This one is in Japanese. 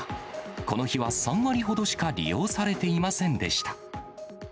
この日は３割ほどしか利用されていませんでした。